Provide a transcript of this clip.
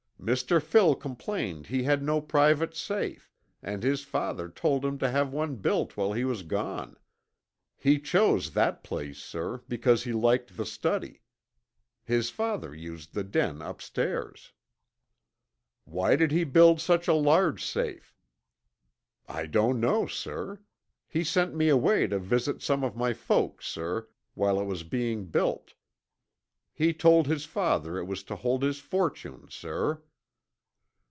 Mr. Phil complained he had no private safe and his father told him to have one built while he was gone. He chose that place, sir, because he liked the study. His father used the den upstairs." "Why did he build such a large safe?" "I don't know, sir. He sent me away to visit some of my folks, sir, while it was being built. He told his father it was to hold his fortune, sir."